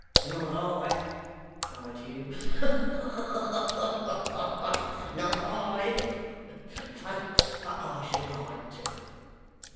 'Not I,' cried Hugh. 'Ha ha ha! Not I! But I should like to.